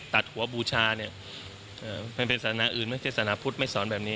ตัดหัวบูชาเนี่ยมันเป็นศาสนาอื่นไม่ใช่ศาสนาพุทธไม่สอนแบบนี้